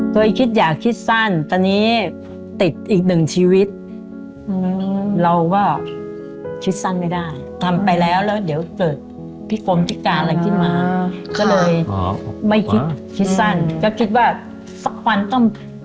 เคยคิดอยากคิดสั้นตอนนี้ติดอีกหนึ่งชีวิตเราก็คิดสั้นไม่ได้ทำไปแล้วแล้วเดี๋ยวเกิดพิกลมพิการอะไรขึ้นมาก็เลยไม่คิดคิดสั้นก็คิดว่าสักวันต้อง